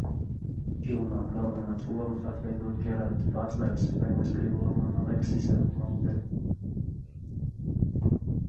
Filmā galvenās lomas atveido Džerards Batlers, Frenks Grillo un Aleksisa Loudere.